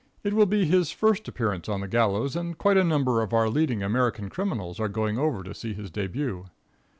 It will be his first appearance on the gallows, and quite a number of our leading American criminals are going over to see his debut.